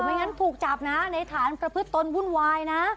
ไม่อย่างนั้นถูกจับนะในฐานประพฤตนบุ่นวายนะ